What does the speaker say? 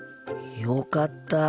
よかった。